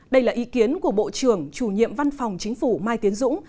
đây là ý kiến của bộ trưởng chủ nhiệm văn phòng chính phủ mai tiến dũng